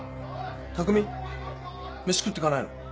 たくみ飯食ってかないの？